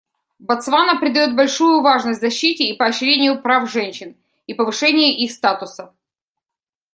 Ботсвана придает большую важность защите и поощрению прав женщин и повышению их статуса.